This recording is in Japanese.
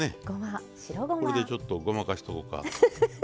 これでちょっとごまかしとこか。